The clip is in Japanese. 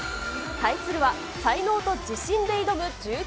対するは才能と自信で挑む